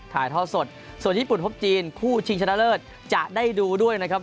ถ่ายท่อสดส่วนญี่ปุ่นพบจีนคู่ชิงชนะเลิศจะได้ดูด้วยนะครับ